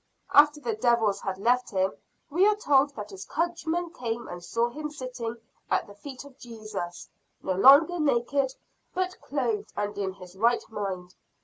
After the devils had left him, we are told that his countrymen came and saw him sitting at the feet of Jesus, no longer naked, but clothed and in his right mind.